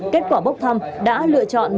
kết quả bốc thăm đã lưu ý cho bộ công an